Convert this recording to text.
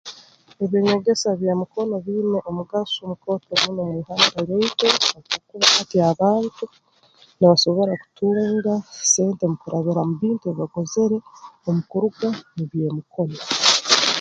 Eby'enyegesa by'emikono biina omugaso mukooto muno mu Uganda yaitu habwokuba hati abantu nibasobora kutunga sente mu kurabira mu bintu ebi bakozere omu kuruga mu by'emikono